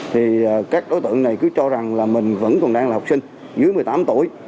thì các đối tượng này cứ cho rằng là mình vẫn còn đang là học sinh dưới một mươi tám tuổi